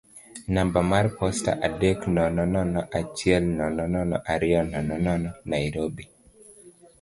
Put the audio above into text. namba mar posta adek nono nono achiel nono nono ariyo nono nono Nairobi.